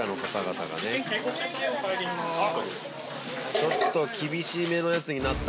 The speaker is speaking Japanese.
ちょっと厳しめのやつになった。